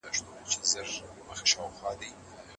ایا تاسو د طلاق د ميزان لوړېدو ته اندېښمن یاست؟